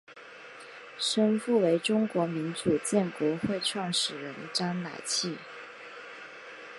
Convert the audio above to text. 生父为中国民主建国会创始人章乃器。